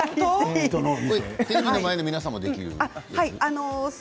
テレビの前の皆さんもできるんですか？